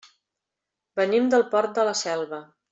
Venim del Port de la Selva.